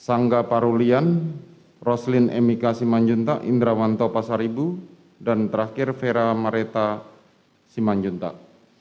angga parulian roslin emika simanjuntak indrawanto pasaribu dan terakhir vera marita simanjuntak